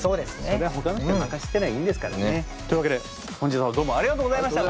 それはほかの人に任してりゃいいですからね。というわけで本日はどうもありがとうございました！